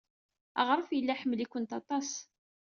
Aɣref yella iḥemmel-itent aṭas.